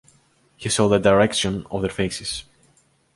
He saw the direction of their faces.